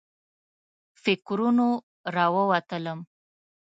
فکرونو راووتلم.